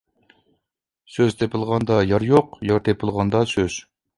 سۆز تېپىلغاندا يار يوق، يار تېپىلغاندا سۆز.